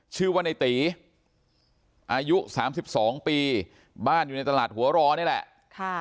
ชื่อว่าในตีอายุ๓๒ปีบ้านอยู่ในตลาดหัวรอนี่แหละ